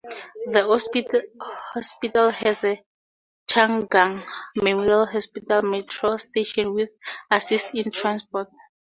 The hospital has the Chang Gung Memorial Hospital metro station which assists in transport.